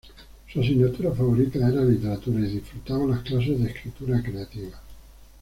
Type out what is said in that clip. Su asignatura favorita era literatura y disfrutaba las clases de escritura creativa.